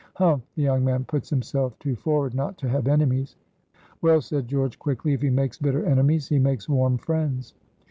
"Humph! the young man puts himself too forward not to have enemies." "Well," said George, quickly, "if he makes bitter enemies he makes warm friends."